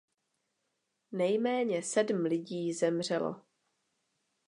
Nejméně sedm lidí zemřelo.